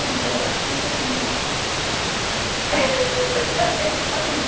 こういった一面があったんですね。